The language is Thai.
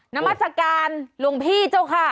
นามัศกาลหลวงพี่เจ้าค่ะ